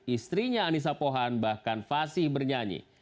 istrinya anissa pohan bahkan fasih bernyanyi